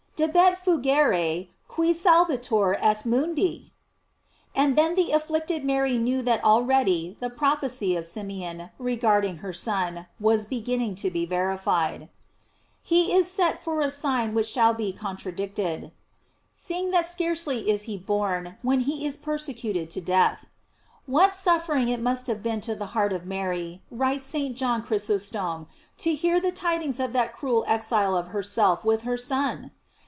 " Debet fugere qui salvator est mundi?"* And then the afflicted Mary knew that already the prophecy of Simeon, regarding her Son, was beginning to be verified: " He is set for a sign which shall be contradicted." f Seeing that scarcely is he born, when he is persecuted to death. What suffering it must have been to the heart of Mary, writes St. John Chrysostom, to hear the tidings of that cruel exile of herself with her Son!